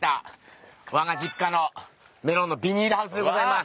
わが実家のメロンのビニールハウスでございます。